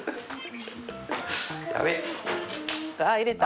あ入れた。